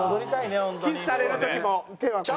キスされてる時も手はここ。